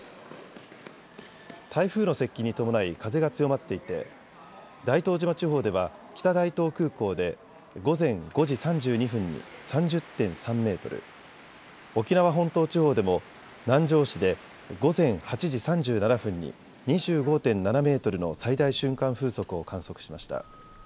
台風の接近に伴い風が強まっていて大東島地方では北大東空港で午前５時３２分に３０．３メートル、沖縄本島地方でも南城市で午前８時３７分に２５．７メートルの最大瞬間風速を観測しました。